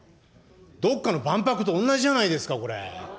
どっかの万博と同じじゃないですか、これ。